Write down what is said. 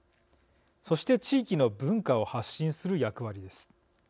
そして、地域の文化を発信する役割です。